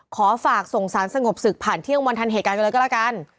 ขอฝากส่งสารสงบศึกผ่านเที่ยงวันทันเหตุการณ์ไปเลยก็แล้วกัน